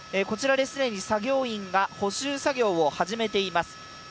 こちらで既に作業員が補修作業を始めています。